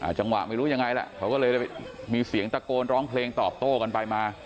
จังหวะไม่รู้ยังไงแหละเขาก็เลยมีเสียงตะโกนร้องเพลงตอบโต้กันไปมา